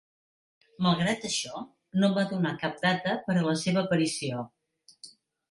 Malgrat això, no va donar cap data per a la seva aparició.